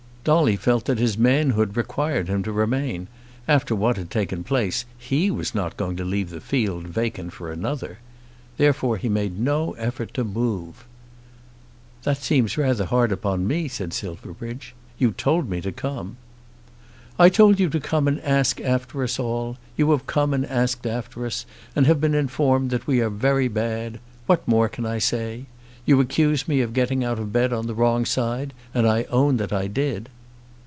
Dolly felt that his manhood required him to remain. After what had taken place he was not going to leave the field vacant for another. Therefore he made no effort to move. "That seems rather hard upon me," said Silverbridge. "You told me to come." "I told you to come and ask after us all. You have come and asked after us, and have been informed that we are very bad. What more can I say? You accuse me of getting out of bed the wrong side, and I own that I did."